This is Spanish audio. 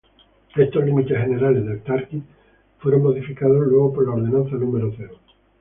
Estos límites generales de Tarqui fueron modificados luego por la Ordenanza No.